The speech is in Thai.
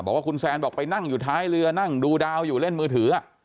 บอกว่าคุณแซนบอกไปนั่งอยู่ท้ายเรือนั่งดูดาวอยู่เล่นมือถือ